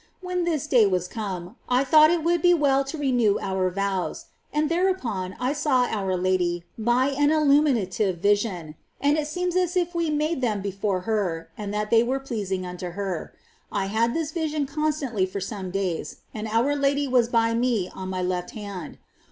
When this day was come, I thought it would be well to renew our vows ; and thereupon I saw our Lady, by an illuminative vision ; and it seemed as if we made them before her, and that they were pleasing unto her. I had this vision constantly for some days, and our Lady was by me on my left hand.